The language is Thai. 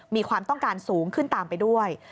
มีความต้องการสูงขึ้นตามไปด้วย